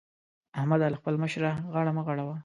احمده! له خپل مشره غاړه مه غړوه.